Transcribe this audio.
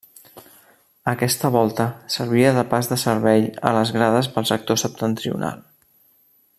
Aquesta volta servia de pas de servei a les grades pel sector septentrional.